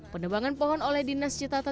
penebangan pohon oleh dinas citata